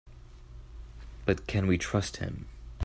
But can we trust him?